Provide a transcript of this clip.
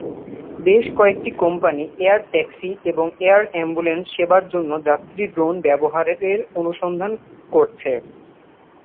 বেশ কয়েকটি company air taxi এবং এয়ার অ্যাম্বুলেন্স সেবার জন্য যাত্রী ড্রোন ব্যবহারের অনুসন্ধান করছে।